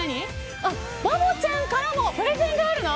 バボちゃんからもプレゼンがあるの。